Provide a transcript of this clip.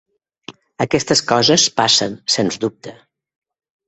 Aquestes coses passen, sens dubte.